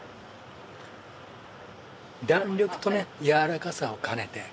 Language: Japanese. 弾力とねやわらかさを兼ねて。